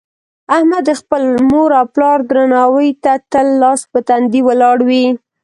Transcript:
احمد د خپل مور او پلار درناوي ته تل لاس په تندي ولاړ وي.